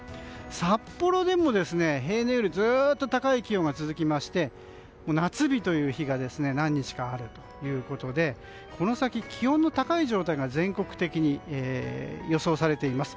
札幌でも平年よりずっと高い気温が続きまして夏日という日が何日かあるということでこの先、気温の高い状態が全国的に予想されています。